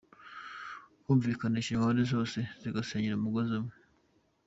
-Kumvikanisha impande zose zigasenyera umugozi umwe